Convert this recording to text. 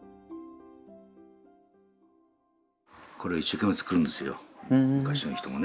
これ一生懸命作るんですよ昔の人もね。